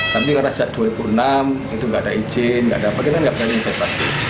tapi kalau dua ribu enam itu nggak ada izin nggak ada apa apa kita nggak ada investasi